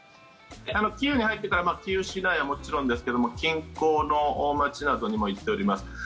キーウに入ってからキーウ市内はもちろんですが近郊の街などにも行っております。